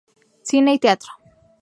Cine y Teatro.